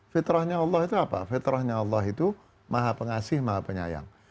fitrahnya allah itu apa fitrahnya allah itu maha pengasih maha penyayang